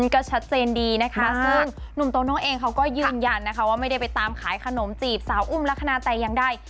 ก็ชัดเจนดีนะคะซึ่งหนุ่มโตโน่เองเขาก็ยืนยันนะคะว่าไม่ได้ไปตามขายขนมจีบสาวอุ้มลักษณะแต่อย่างใด